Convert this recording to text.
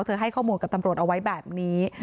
ให้ข้อมูลกับตำรวจเอาไว้แบบนี้